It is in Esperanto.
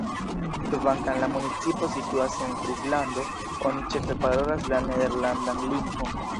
Kvankam la municipo situas en Frislando, oni ĉefe parolas la nederlandan lingvon.